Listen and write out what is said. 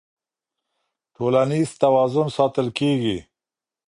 ټولنيز توازن ساتل کيږي.